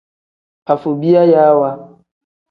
Afobiyayaawa.